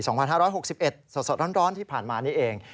สดร้อนที่ผ่านมานี้เอง